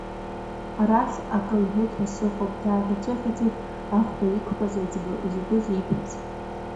Арахь акы лҳәеит ҳәа сыҟоуп, дааӷьаҵәыӷьаҵәит ахәда иқәтәаз аиҵбы, изакәызеи, ибҳәаз?